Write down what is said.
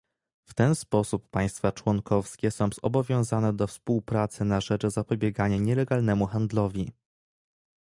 W ten sposób państwa członkowskie są zobowiązane do współpracy na rzecz zapobiegania nielegalnemu handlowi